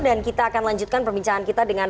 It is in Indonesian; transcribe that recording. dan kita akan lanjutkan perbincangan kita dengan